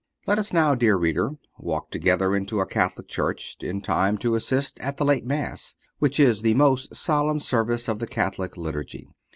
Let us now, dear reader, walk together into a Catholic Church in time to assist at the late Mass, which is the most solemn service of the Catholic Liturgy.